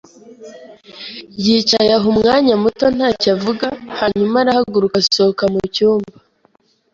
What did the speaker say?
yicaye aho umwanya muto ntacyo avuga, hanyuma arahaguruka asohoka mu cyumba.